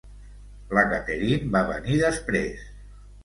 La Catherine va venir després.